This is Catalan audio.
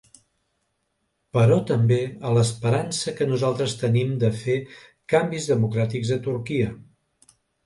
Però també a l’esperança que nosaltres tenim de fer canvis democràtics a Turquia.